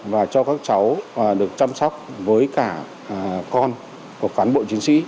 và cho các cháu được chăm sóc với cả con của cán bộ chiến sĩ